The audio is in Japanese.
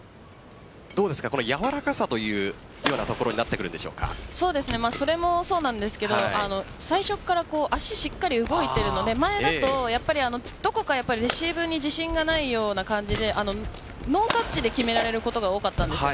やわらかさというようなところにそれもそうなんですが最初から足がしっかり動いているので前だと、どこかレシーブに自信がないような感じでノータッチで決められることが多かったんです。